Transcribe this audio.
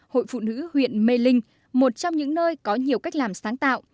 hội phụ nữ huyện mê linh một trong những nơi có nhiều cách làm sáng tạo